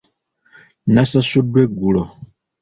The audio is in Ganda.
Nasasuddwa eggulo.